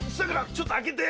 ちょっと開けて。